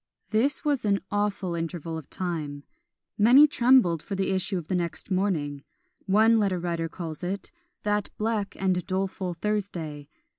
This was an awful interval of time; many trembled for the issue of the next morning: one letter writer calls it "that black and doleful Thursday!"